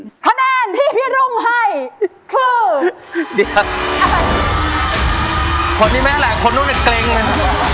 อืมคะแนนที่พี่รุ่งให้คือเดี๋ยวคนที่แม่แหล่งคนโน้นจะเกรงเลย